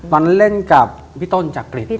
ตอนนั้นเล่นกับพี่ต้นจากกริจใช่ไหม